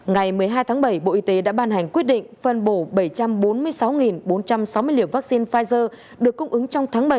ngày một mươi hai tháng bảy bộ y tế đã ban hành quyết định phân bổ bảy trăm bốn mươi sáu bốn trăm sáu mươi liều vaccine pfizer được cung ứng trong tháng bảy